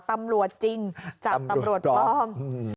ตำรวจจริงจับตำรวจปลอม